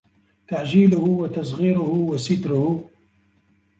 تَعْجِيلُهُ وَتَصْغِيرُهُ وَسَتْرُهُ